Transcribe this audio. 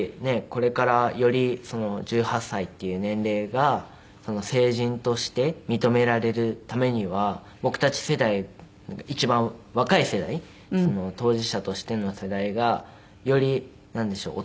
これからより１８歳っていう年齢が成人として認められるためには僕たち世代一番若い世代当事者としての世代がよりなんでしょう。